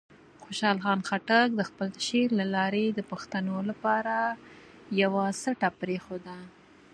خوشحال خان خټک د خپل شعر له لارې د پښتنو لپاره یوه سټه پرېښوده.